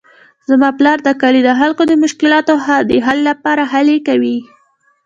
زما پلار د کلي د خلکو د مشکلاتو د حل لپاره هلې کوي